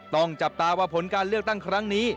จับตาว่าผลการเลือกตั้งครั้งนี้